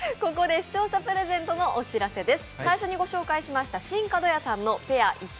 視聴者プレゼントのお知らせです。